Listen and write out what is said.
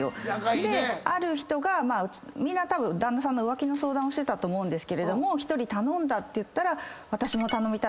である人がみんなたぶん旦那さんの浮気の相談をしてたと思うけど１人頼んだって言ったら「私も頼みたい」